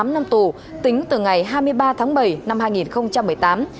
tám năm tù tính từ ngày hai mươi ba tháng bảy năm hai nghìn một mươi tám